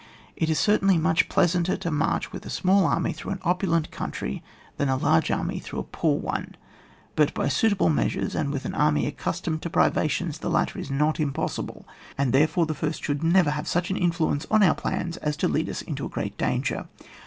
It is certainly much pleasanter to march with a small army through an opulent country, than with a large army through a poor one; but by suitable measures, and with an army accustomed to privations, the latter is not impossible, and, therefore, the first should never have such an influence on our plans as to lead us into a great danger.